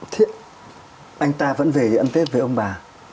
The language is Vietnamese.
thiết anh ta vẫn về ăn tết với ông bà